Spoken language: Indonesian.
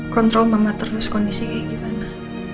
kontrol mama terus kondisi kayak gimana